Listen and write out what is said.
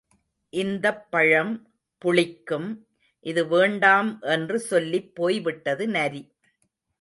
இந்தப் பழம் புளிக்கும் இது வேண்டாம் என்று சொல்லிப் போய்விட்டது நரி.